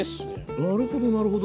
なるほどなるほど。